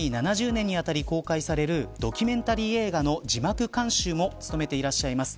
７０年にあたり公開されるドキュメンタリー映画の字幕監修も務めていらっしゃいます。